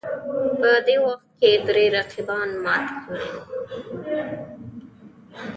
په دې وخت کې درې رقیبان مات کړي وو